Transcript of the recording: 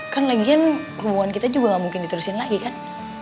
kan lagian hubungan kita juga gak mungkin diterusin lagi kan